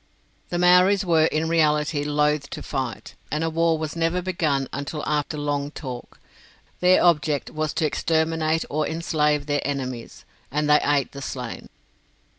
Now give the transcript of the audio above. The Maoris were in reality loath to fight, and war was never begun until after long talk. Their object was to exterminate or enslave their enemies, and they ate the slain.